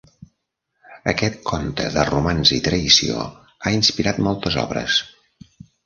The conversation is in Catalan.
Aquest conte de romanç i traïció ha inspirat moltes obres.